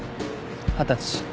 二十歳。